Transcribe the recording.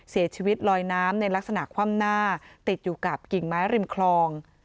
เสียชีวิตลอยน้ำในลักษณะคว่ำหน้าติดอยู่กับกิ่งไม้ริมคลอง